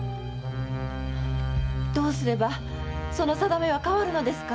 どうすればその運命は変わるのですか？